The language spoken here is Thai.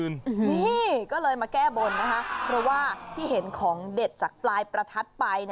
นี่ก็เลยมาแก้บนนะคะเพราะว่าที่เห็นของเด็ดจากปลายประทัดไป